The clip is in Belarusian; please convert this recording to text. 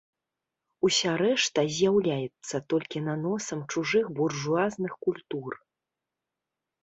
Уся рэшта з'яўляецца толькі наносам чужых буржуазных культур.